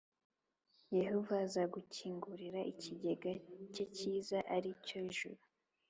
yehova azagukingurira ikigega cye cyiza, ari cyo juru,